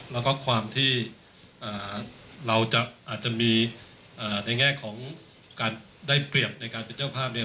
แล้วก็ความที่เราอาจจะมีในแง่ของการได้เปรียบในการเป็นเจ้าภาพเนี่ย